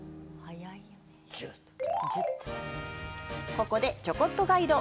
ここで「ちょこっとガイド」。